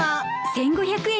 １，５００円！